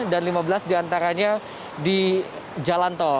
dan lima belas diantaranya di jalanto